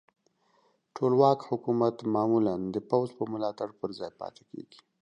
ټولواک حکومت معمولا د پوځ په ملاتړ پر ځای پاتې کیږي.